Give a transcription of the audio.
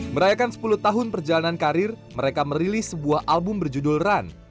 merayakan sepuluh tahun perjalanan karir mereka merilis sebuah album berjudul run